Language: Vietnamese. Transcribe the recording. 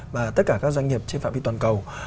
và tất cả các doanh nghiệp trên phạm vi toàn cầu